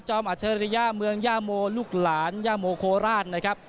อัจฉริยะเมืองย่าโมลูกหลานย่าโมโคราชนะครับ